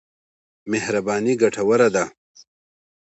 مهرباني ګټوره ده.